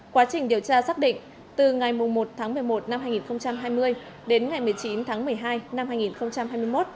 quá trình điều tra xác định từ ngày một tháng một mươi một năm hai nghìn hai mươi đến ngày một mươi chín tháng một mươi hai năm hai nghìn hai mươi một